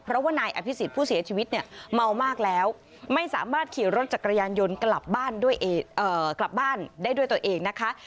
เพราะว่านายอภิษฎผู้เสียชีวิตเนี่ยเมามากแล้วไม่สามารถขี่รถจักรยานยนต์กลับบ้านด้วยกลับบ้านได้ด้วยตัวเองนะคะ